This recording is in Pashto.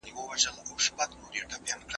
هغوی پخوا هم مناسب ملګري لرل.